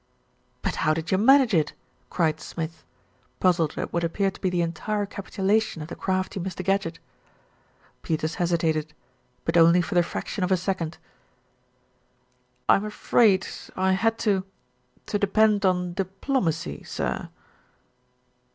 "But how did you manage it?" cried Smith, puzzled at what appeared to be the entire capitulation of the crafty Mr. Gadgett. Peters hesitated; but only for the fraction of a second. "I'm afraid, I had to to depend on diplomacy, sir."